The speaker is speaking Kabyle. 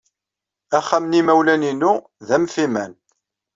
Axxam n yimawlan-inu d amfiman.